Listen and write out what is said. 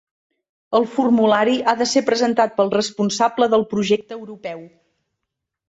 El Formulari ha de ser presentat pel responsable del projecte europeu.